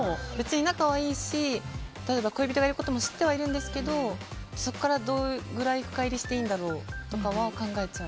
別に仲はいいし例えば恋人がいることは知ってはいるんですけどそこからどれぐらい深入りしていいんだろうって考えちゃう。